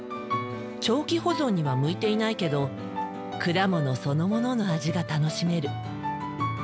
長期保存には向いていないけど果物そのものの味が楽しめる。